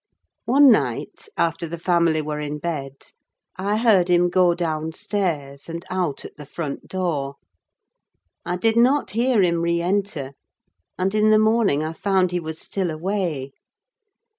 One night, after the family were in bed, I heard him go downstairs, and out at the front door. I did not hear him re enter, and in the morning I found he was still away.